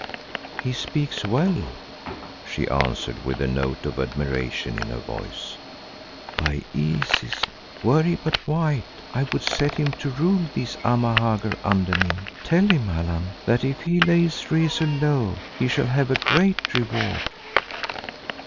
"He speaks well," she answered with a note of admiration in her voice. "By Isis, were he but white I would set him to rule these Amahagger under me. Tell him, Allan, that if he lays Rezu low he shall have a great reward."